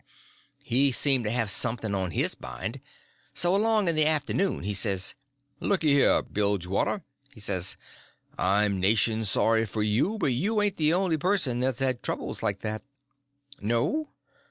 He seemed to have something on his mind. So, along in the afternoon, he says: "Looky here, Bilgewater," he says, "I'm nation sorry for you, but you ain't the only person that's had troubles like that." "No?"